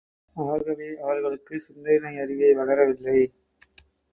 ஆகவே அவர்களுக்கு சிந்தனையறிவே வளரவில்லை.